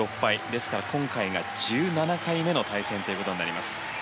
ですから、今回が１７回目の対戦となります。